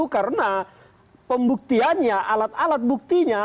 karena pembuktiannya alat alat buktinya